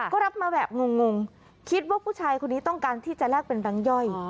ก็รับมาแบบงงคิดว่าผู้ชายคนนี้ต้องการที่จะแลกเป็นแบงค์ย่อย